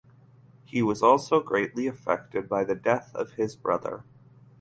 He was also greatly affected by the death of his brother.